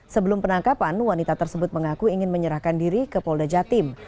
sebelum penangkapan wanita tersebut mengaku ingin menyerahkan diri ke polda jatim